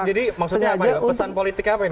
jadi maksudnya pesan politik apa yang